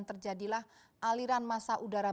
terjadilah aliran masa udara